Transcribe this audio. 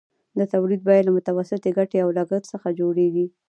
د تولید بیه له متوسطې ګټې او لګښت څخه جوړېږي